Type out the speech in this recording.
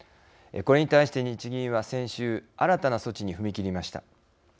これに対して、日銀は先週新たな措置に踏み切りました。